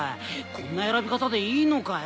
こんな選び方でいいのかよ？